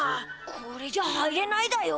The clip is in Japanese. これじゃ入れないだよ。